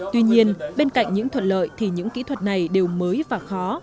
tuy nhiên bên cạnh những thuận lợi thì những kỹ thuật này đều mới và khó